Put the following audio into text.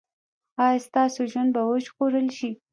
ایا ستاسو ژوند به وژغورل شي؟